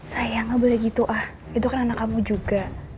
saya nggak boleh gitu ah itu kan anak kamu juga